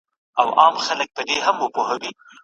قصاب وویل پیسې چي یې شیندلې